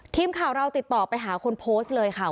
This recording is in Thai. ทีมข่าวเราติดต่อไปหาคนโพสต์เลยค่ะ